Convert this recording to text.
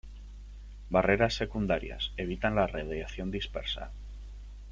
Barreras secundarias: evitan la radiación dispersa.